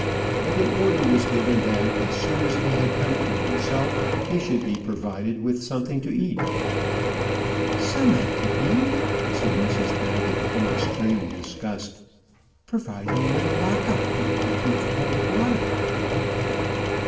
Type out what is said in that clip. And an order was given that as soon as he had come to himself, he should be provided with something to eat. "Summat to eat!" said Mrs Baggett, in extreme disgust. "Provide him with a lock up and plenty of cold water!"